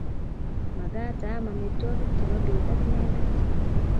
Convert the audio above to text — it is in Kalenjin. Magat aam amitwogik Che bo bet ak inendet.